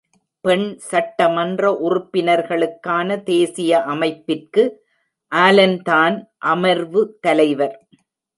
பெண் சட்டமன்ற உறுப்பினர்களுக்கான தேசிய அமைப்பிற்குஆலன் தான் அமர்வு தலைவர்.